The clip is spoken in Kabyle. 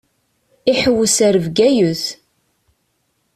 Iḥewwes ar Bgayet.